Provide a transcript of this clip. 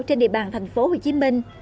trên địa bàn thành phố hồ chí minh